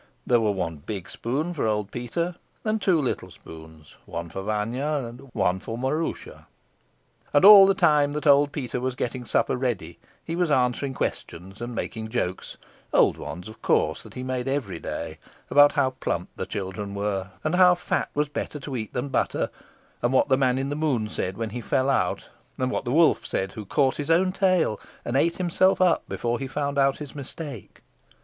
There were one big spoon, for old Peter; and two little spoons, one for Vanya and one for Maroosia. And all the time that old Peter was getting supper ready he was answering questions and making jokes old ones, of course, that he made every day about how plump the children were, and how fat was better to eat than butter, and what the Man in the Moon said when he fell out, and what the wolf said who caught his own tail and ate himself up before he found out his mistake.